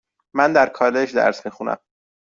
من در کالج درس میخوانم.